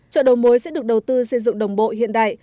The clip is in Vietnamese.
chợ đầu mối sẽ được đầu tư xây dựng đồng bộ hiện đại